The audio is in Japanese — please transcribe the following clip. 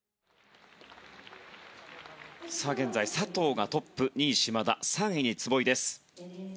現在、佐藤がトップ２位、島田３位に壷井です。